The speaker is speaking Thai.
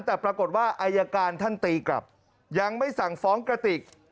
แต่ปรากฏว่าอายการท่านตีกลับยังไม่สั่งฟ้องกระติก